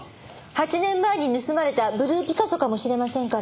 ８年前に盗まれたブルーピカソかもしれませんから。